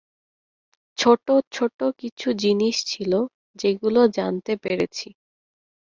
ছোট ছোট কিছু জিনিস ছিল, যেগুলো জানতে পেরেছি।